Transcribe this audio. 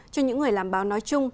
cho những người làm báo nói chung